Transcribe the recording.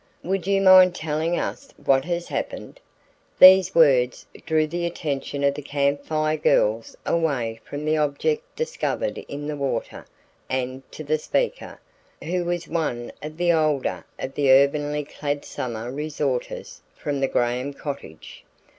"Would you mind telling us what has happened?" These words drew the attention of the Camp Fire Girls away from the object discovered in the water and to the speaker, who was one of the older of the urbanely clad summer resorters from the Graham cottage.